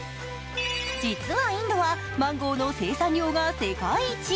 実は、インドはマンゴーの生産量が世界一。